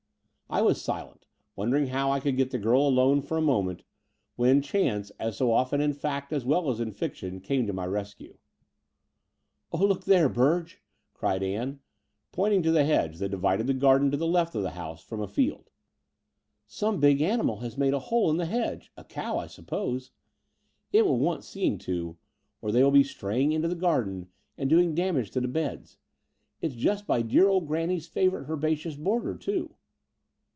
I was silent, wondering how I could get the girl alone for a moment, when chance, as so often in fact as well as in fiction, came to my rescue. 0h, look there, Burge," cried Ann, pointing to the hedge that divided the garden to the left of the house from a field, ''some big animal has made a hole in the hedge — a cow, I suppose. It will want seeing to; or they will be straying into the garden and doing damage to the beds. It's just by dear old granny's favourite herbaceous border, too."